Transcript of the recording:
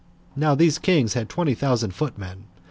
Now these kings had twenty thousand footmen.